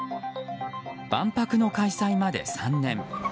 万博の開催まで３年。